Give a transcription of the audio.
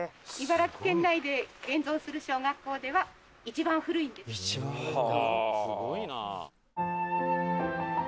茨城県内で現存する小学校では一番古いんです。